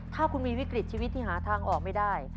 ถ้าคุณมีวิกฤตชีวิตที่หาทางออกไม่ได้